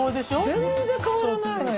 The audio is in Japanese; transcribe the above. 全然変わらないのよ